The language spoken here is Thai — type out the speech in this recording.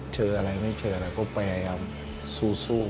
เจออะไรไม่เจออะไรก็พยายามสู้